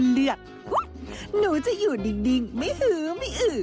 เลือกหนูจะอยู่ดิ่งไม่หื้อ